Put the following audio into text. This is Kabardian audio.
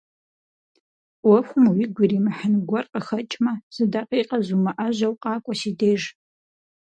Ӏуэхум уигу иримыхьын гуэр къыхэкӏмэ, зы дакъикъэ зумыӀэжьэу къакӀуэ си деж.